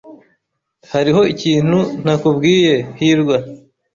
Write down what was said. Hariho ikintu ntakubwiye, hirwa.